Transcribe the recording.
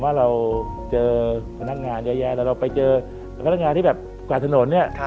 ว่าเราเจอพนักงานเยอะแยะแล้วเราไปเจอพนักงานที่แบบกวาดถนนเนี่ย